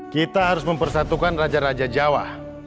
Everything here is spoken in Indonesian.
kita harus mempersatukan raja raja jawa